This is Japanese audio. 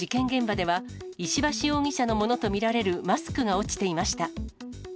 現場では、石橋容疑者のものと見られるマスクが落ちていました。